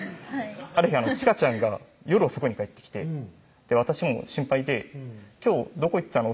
ある日ちかちゃんが夜遅くに帰ってきて私も心配で「今日どこ行ってたの？